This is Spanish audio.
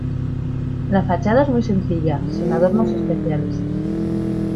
La fachada es muy sencilla, sin adornos especiales.